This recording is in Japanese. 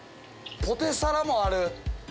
ポテサラもある。